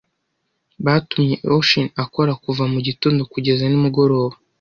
Batumye Oshin akora kuva mugitondo kugeza nimugoroba.